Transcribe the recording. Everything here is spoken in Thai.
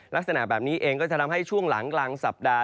ลักษณะแบบนี้เองก็จะทำให้ช่วงหลังกลางสัปดาห